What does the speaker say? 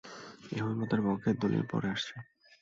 এ অভিমতের পক্ষের দলীল পরে আসছে।